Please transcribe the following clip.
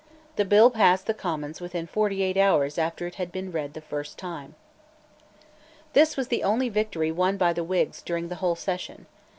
The bill passed the Commons within forty eight hours after it had been read the first time, This was the only victory won by the Whigs during the whole session.